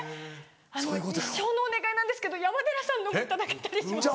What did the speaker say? あの一生のお願いなんですけど山寺さんのも頂けたりしますか？